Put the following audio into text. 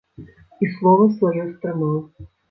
І слова сваё стрымаў.